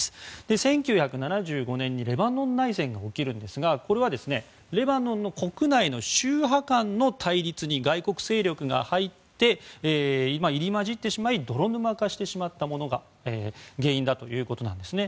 １９７５年レバノン内戦が起きますがこれはレバノンの国内の宗派間の対立に外国勢力が入り交じってしまい泥沼化してしまったものが原因だということです。